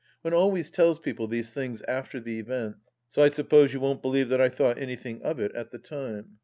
One always tells people these things after the event, so I suppose you won't believe that I thought anything of it at the time.